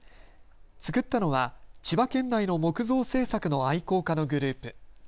作ったのは千葉県内の木像制作の愛好家のグループ。